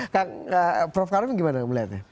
kang prof karim gimana melihatnya